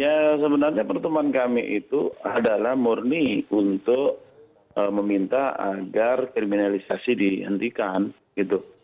ya sebenarnya pertemuan kami itu adalah murni untuk meminta agar kriminalisasi dihentikan gitu